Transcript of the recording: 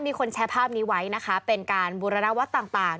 มีคนแชร์ภาพนี้ไว้นะคะเป็นการบูรณวัฒน์ต่าง